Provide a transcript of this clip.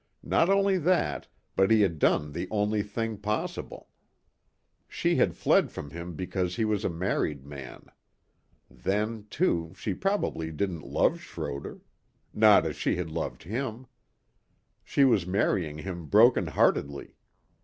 Not only that, but he had done the only thing possible. She had fled from him because he was a married man. Then, too, she probably didn't love Schroder. Not as she had loved him. She was marrying him broken heartedly.